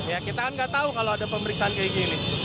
ya kita kan nggak tahu kalau ada pemeriksaan kayak gini